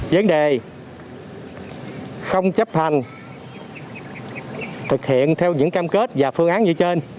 vấn đề không chấp hành thực hiện theo những cam kết và phương án như trên